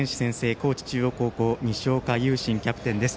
高知中央高校西岡悠慎キャプテンです。